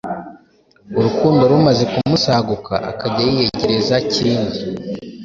Urukundo rumaze kumusaguka akajya yiyegereza Kindi